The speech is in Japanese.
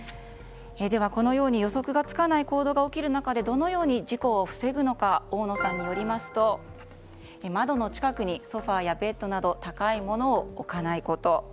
このように予測がつかない行動が起きる中でどのように事故を防ぐのか大野さんによりますと窓の近くにソファやベッドなど高いものを置かないこと。